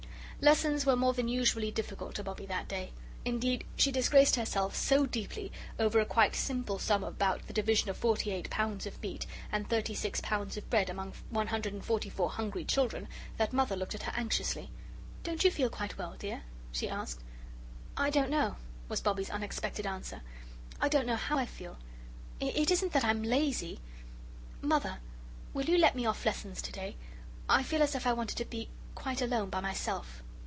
Lessons were more than usually difficult to Bobbie that day. Indeed, she disgraced herself so deeply over a quite simple sum about the division of 48 pounds of meat and 36 pounds of bread among 144 hungry children that Mother looked at her anxiously. "Don't you feel quite well, dear?" she asked. "I don't know," was Bobbie's unexpected answer. "I don't know how I feel. It isn't that I'm lazy. Mother, will you let me off lessons to day? I feel as if I wanted to be quite alone by myself."